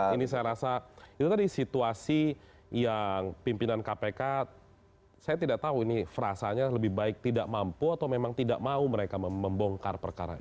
ini saya rasa itu tadi situasi yang pimpinan kpk saya tidak tahu ini frasanya lebih baik tidak mampu atau memang tidak mau mereka membongkar perkara ini